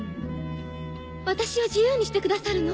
私を自由にしてくださるの？